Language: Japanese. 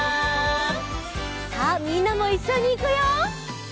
さあみんなもいっしょにいくよ！